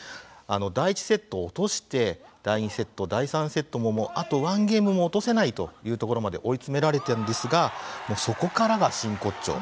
第１セットを落として第２セット、第３セットももうあと１ゲームも落とせないというところまで追い詰められたんですがそこからが真骨頂。